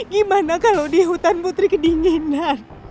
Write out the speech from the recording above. gimana kalau di hutan putri kedinginan